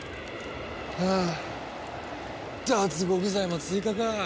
はあ脱獄罪も追加かあ？